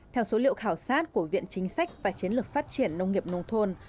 theo số liệu khảo sát của viện chính sách và chiến lược phát triển nông nghiệp nông thôn